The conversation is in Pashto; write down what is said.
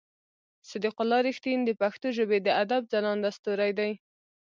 صديق الله رښتين د پښتو ژبې د ادب ځلانده ستوری دی.